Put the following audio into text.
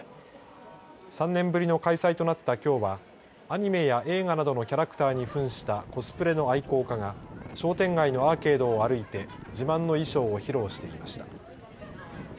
３年ぶりの開催となったきょうはアニメや映画などのキャラクターにふんしたコスプレの愛好家が商店街のアーケードを歩いて自慢の衣装を披露していました。